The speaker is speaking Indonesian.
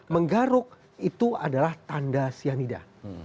menggaruk itu adalah tanda cyanida